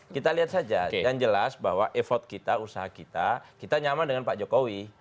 kita lihat saja yang jelas bahwa usaha kita nyaman dengan pak jokowi